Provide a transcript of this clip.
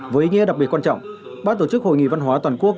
với ý nghĩa đặc biệt quan trọng bác tổ chức hội nghị văn hóa toàn quốc